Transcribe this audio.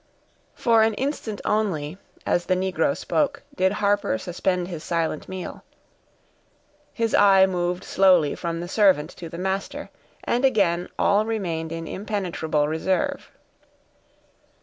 For an instant only, as the negro spoke, did Harper suspend his silent meal; his eye moved slowly from the servant to the master, and again all remained in impenetrable reserve.